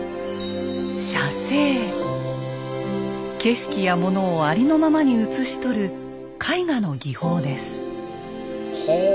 景色や物をありのままに写し取る絵画の技法です。